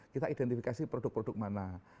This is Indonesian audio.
kita identifikasi produk produk mana